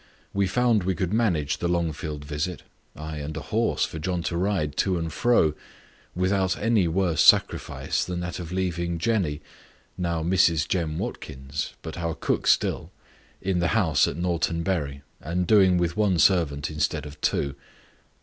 We found we could manage the Longfield visit ay, and a horse for John to ride to and fro without any worse sacrifice than that of leaving Jenny now Mrs. Jem Watkins, but our cook still in the house at Norton Bury, and doing with one servant instead of two.